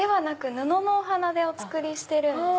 布のお花でお作りしてるんです。